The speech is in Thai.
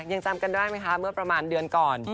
ยังจำกันได้ไหมคะเมื่อประมาณเดือนก่อน